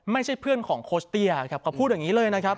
ไม่ใช่เพื่อนของโคชเตี้ยครับเขาพูดอย่างนี้เลยนะครับ